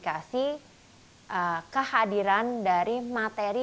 yang lebih mudah untuk menentukan virus covid sembilan belas dan juga menentukan covid sembilan belas